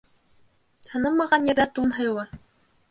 Танымаған ерҙә тун һыйлы.